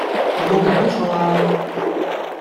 有冇搞錯呀！